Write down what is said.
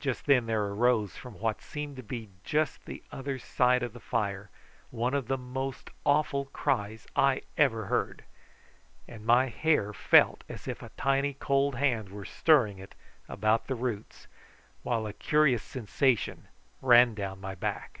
Just then there arose from what seemed to be just the other side of the fire one of the most awful cries I ever heard, and my hair felt as if a tiny cold hand were stirring it about the roots, while a curious sensation ran down my back.